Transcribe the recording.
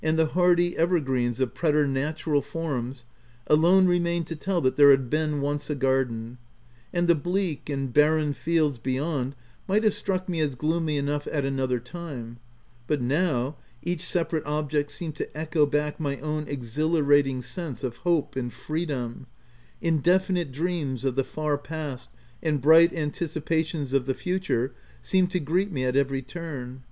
G 122 THE TENANT the hardy ever greens of preternatural forms, alone remained to tell that there had been once a garden, — and the bleak and barren fields be yond might have struck me as gloomy enough at another time, but now, each separate object seemed to echo back my own exhilarating sense of hope and freedom : indefinite dreams of the far past and bright anticipations of the future seemed to greet me at every turn.